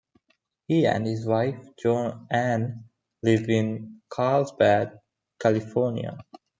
He and his wife JoAnn live in Carlsbad, California.